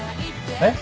えっ？